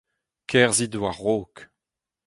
Kerzhit war-raok